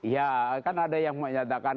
ya kan ada yang menyatakan